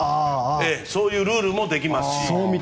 そういうルールも来年からできますし。